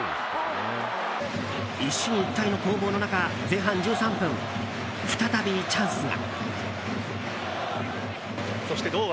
一進一退の攻防の中前半１３分、再びチャンスが。